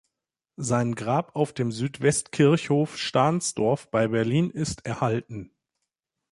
Sein Grab auf dem Südwestkirchhof Stahnsdorf bei Berlin ist erhalten.